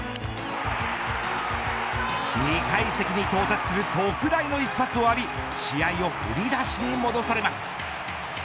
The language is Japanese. ２階席に到達する特大の一発を浴び試合を振り出しに戻されます。